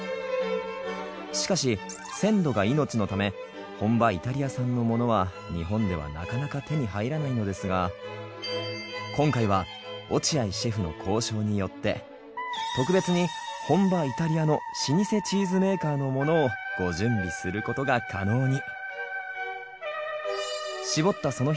しかし鮮度が命のため本場イタリア産のものは日本ではなかなか手に入らないのですが今回は落合シェフの交渉によって特別に本場イタリアの老舗チーズメーカーのものをご準備することが可能に。